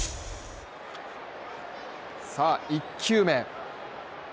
さあ、１球目。